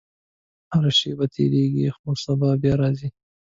• هره شپه تېرېږي، خو سبا بیا راځي.